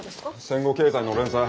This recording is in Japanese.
戦後経済の連載。